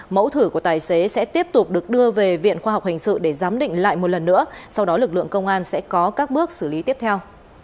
mẫu thử của tài xế sẽ tiếp tục được đưa về viện khoa học hình sự để giám định lại một lần nữa sau đó lực lượng công an sẽ có các bước xử lý tiếp theo